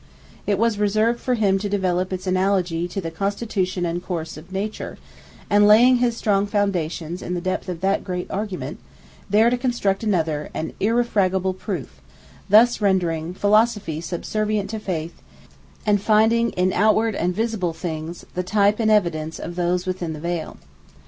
It was reserved for him to develop its analogy to the constitution and course of Nature; and laying his strong foundations in the depth of that great argument, there to construct another and irrefragable proof; thus rendering Philosophy subservient to Faith, and finding in outward and visible things the type and evidence of those within the veil.